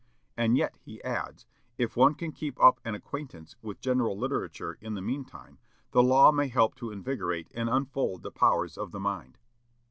And yet he adds, "If one can keep up an acquaintance with general literature in the meantime, the law may help to invigorate and unfold the powers of the mind."